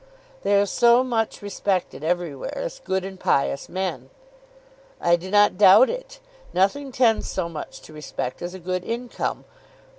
"They are so much respected everywhere as good and pious men!" "I do not doubt it. Nothing tends so much to respect as a good income.